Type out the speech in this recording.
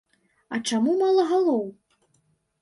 А чаму мала галоў?!